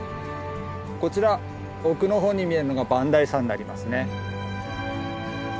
こちら奥の方に見えるのが磐梯山になりますね。